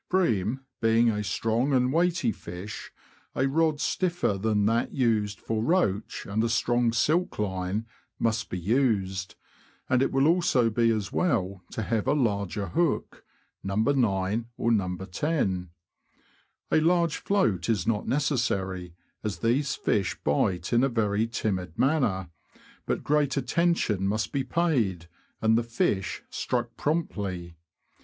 Bream being a strong and weighty fish, a rod stiffer than that used for roach, and a strong silk line, must be used ; and it will also be as well to have a larger hook (No. 9 or No. 10). A large float is not necessary, as these fish bite in a very timid manner ; but great attention must be paid, and the fish struck promptly.